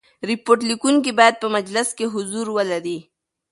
ریپورټ لیکوونکی باید په مجلس کي حضور ولري.